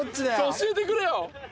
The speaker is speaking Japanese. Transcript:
教えてくれよ。